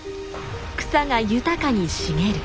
草が豊かに茂る。